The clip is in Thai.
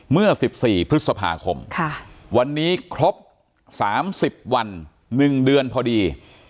เมื่อ๑๔พฤษภาคมวันนี้ครบ๓๐วัน๑เดือนพอดี